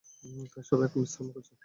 তাই সবাই এখন বিশ্রাম করছে।